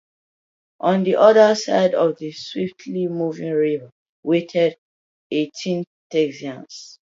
On the other side of the swiftly moving river waited eighteen Texians.